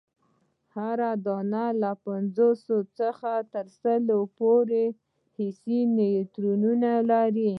هره دانه له پنځوسو څخه تر سلو پوري حسي نیورونونه لري.